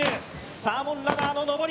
サーモンラダーの登り。